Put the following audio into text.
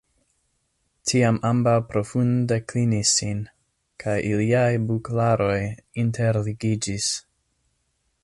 Tiam ambaŭ profunde klinis sin, kaj iliaj buklaroj interligiĝis.